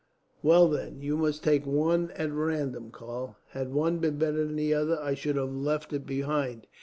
"Well then, you must take one at random, Karl. Had one been better than the other, I should have left it behind.